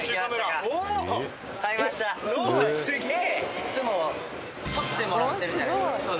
いつも撮ってもらってるじゃないすか。